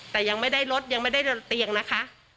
แต่ยังไม่ได้รถยังไม่ได้เตียงนะคะ